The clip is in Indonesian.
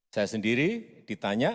saya sendiri ditanya